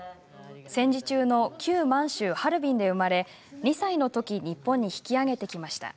戦時中の旧満州ハルビンで生まれ２歳のとき日本に引き揚げてきました。